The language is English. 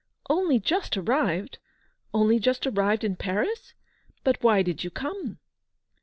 " Only just arrived ! Only just arrived in Paris ! But why did you come